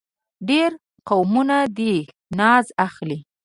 ډېر قومونه دې ناز اخلي.